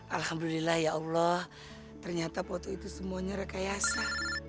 alhamdulillah ya allah ternyata foto itu semuanya rekayasa